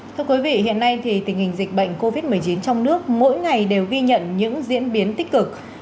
thưa quý vị hiện nay tình hình dịch bệnh covid một mươi chín trong nước mỗi ngày đều ghi nhận những diễn biến tích cực